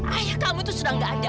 ayah kamu itu sudah tidak ada